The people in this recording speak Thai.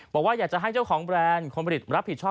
บอกว่าอยากจะให้เจ้าของแบรนด์คนผลิตรับผิดชอบ